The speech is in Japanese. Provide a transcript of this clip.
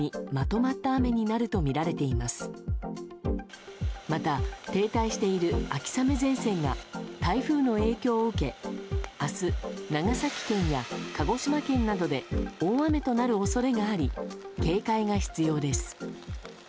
また、停滞している秋雨前線が台風の影響を受け明日、長崎県や鹿児島県などで大雨となる恐れがあり警戒が必要です。